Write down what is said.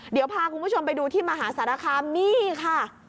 เดี๋ยวพาคุณผู้ชมไปดูที่มหาสารคามนี่ค่ะ